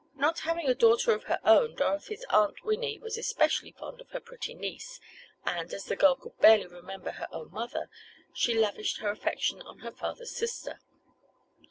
Not having a daughter of her own Dorothy's Aunt Winnie was especially fond of her pretty niece, and, as the girl could barely remember her own mother, she lavished her affection on her father's sister.